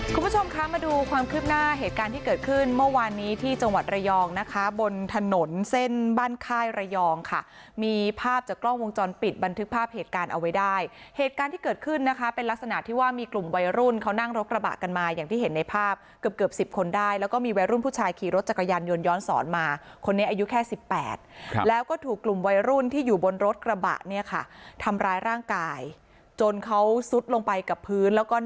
คุณผู้ชมค่ะมาดูความคลิบหน้าเหตุการณ์ที่เกิดขึ้นเมื่อวานนี้ที่จังหวัดระยองนะคะบนถนนเส้นบ้านค่ายระยองค่ะมีภาพจากกล้องวงจรปิดบันทึกภาพเหตุการณ์เอาไว้ได้เหตุการณ์ที่เกิดขึ้นนะคะเป็นลักษณะที่ว่ามีกลุ่มวัยรุ่นเขานั่งรถกระบะกันมาอย่างที่เห็นในภาพเกือบ๑๐คนได้แล้วก็มีวัยรุ่นผู้